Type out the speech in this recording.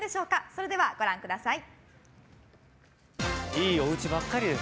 それでは、ご覧ください。